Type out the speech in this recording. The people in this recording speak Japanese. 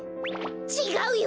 ちがうよ！